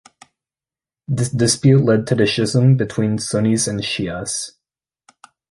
This dispute led to the schism between Sunnis and Shias.